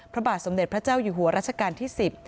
พระบาทสมเด็จพระเจ้าอยู่หัวรัชกาลที่๑๐